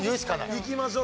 いきましょう。